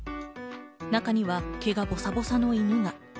中には毛がボサボサの犬が。